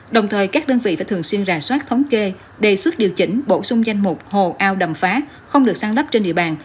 đồng thời các đơn vị phải thường xuyên rà soát thống kê đề xuất điều chỉnh bổ sung danh mục hồ ao đầm phá không được săn lấp trên địa bàn